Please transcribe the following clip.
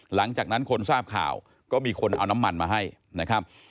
หลังจากนั้นคนทราบข่าวก็มีคนเอาน้ำมันมาให้นะครับ